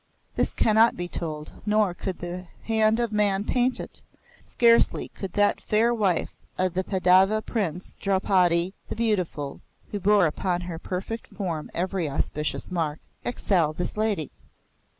This cannot be told, nor could the hand of man paint it. Scarcely could that fair wife of the Pandava Prince, Draupadi the Beautiful (who bore upon her perfect form every auspicious mark) excel this lady.